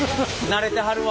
慣れてはる。